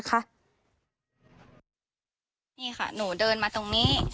นี่ค่ะหนูเดินมาตรงนี้